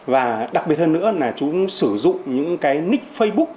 và đặc biệt hơn nữa là chúng sử dụng những cái nick facebook